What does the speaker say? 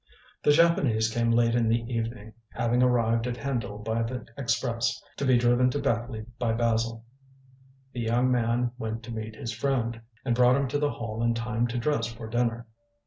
The Japanese came late in the evening, having arrived at Hendle by the express, to be driven to Beckleigh by Basil. The young man went to meet his friend, and brought him to the Hall in time to dress for dinner.